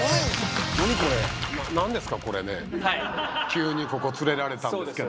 急にここ連れられたんですけど。